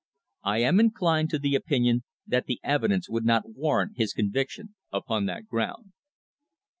... I am inclined to the opinion that the evidence would not warrant his conviction upon that ground."